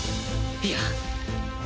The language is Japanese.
いや！